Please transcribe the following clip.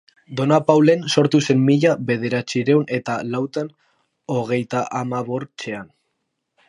Donapaulen sortu zen mila bederatzirehun eta lautan hogeitahamabortzean.